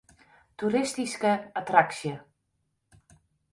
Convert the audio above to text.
Toeristyske attraksje.